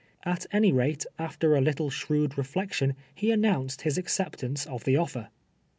xVt any rate, after a little shrewd reflection, he aimounced his ac ceptance of the ofl'er.